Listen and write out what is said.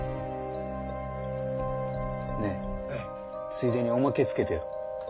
ついでにおまけつけてよ。